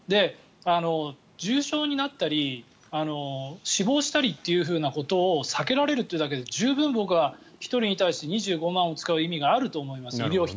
重症になったり死亡したりということを避けられないで１人に対して２５万円を使う価値があると思います。